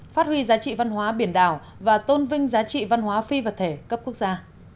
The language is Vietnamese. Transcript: phát huy giá trị văn hóa biển đảo và tôn vinh giá trị văn hóa phi vật thể cấp quốc gia